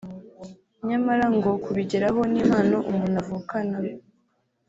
nyamara ngo kubigeraho ni impano umuntu avukana